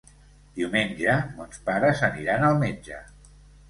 Diumenge mons pares aniran al metge.